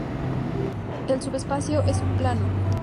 El subespacio es un plano.